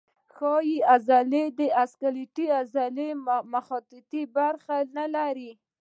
ښویې عضلې د سکلیټي عضلې مخططې برخې نه لري.